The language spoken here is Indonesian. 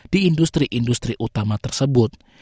di industri industri utama tersebut